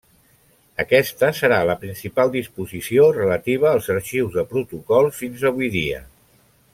Aquesta serà la principal disposició relativa als arxius de protocols fins avui dia.